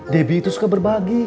debbie itu suka berbagi